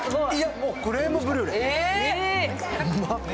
クレームブリュレ。